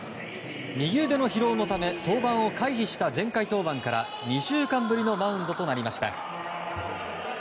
右腕の疲労のため登板を回避した前回登板から２週間ぶりのマウンドとなりました。